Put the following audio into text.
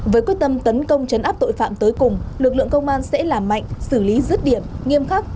với quyết tâm tấn công chấn áp tội phạm tới cùng lực lượng công an sẽ làm mạnh xử lý rứt điểm nghiêm khắc